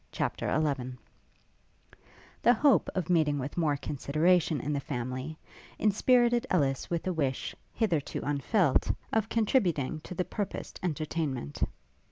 CHAPTER XI The hope of meeting with more consideration in the family, inspirited Ellis with a wish, hitherto unfelt, of contributing to the purposed entertainment.